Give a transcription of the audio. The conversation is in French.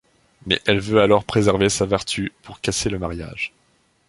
Mais elle veut alors préserver sa vertu pour casser le mariage...